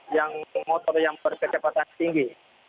yang motor yang berkecepatan tinggi